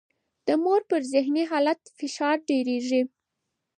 د مور پر ذهني حالت فشار زیاتېږي.